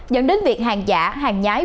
dẫn đến việc hàng giả hàng nhái